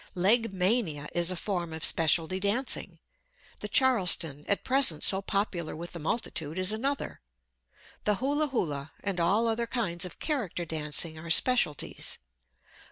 Legmania is a form of specialty dancing. The Charleston, at present so popular with the multitude, is another. The Hula Hula and all other kinds of character dancing are specialties.